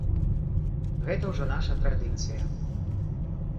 Гэта ўжо наша традыцыя.